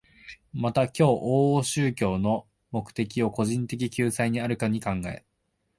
また今日往々宗教の目的を個人的救済にあるかに考え、